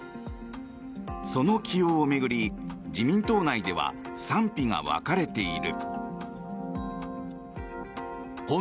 その起用を巡り、自民党内では賛否が分かれている。